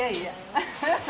アハハハ。